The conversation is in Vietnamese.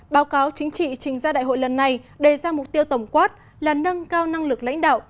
báo cáo chính trị trình ra đại hội lần này đề ra mục tiêu tổng quát là nâng cao năng lực lãnh đạo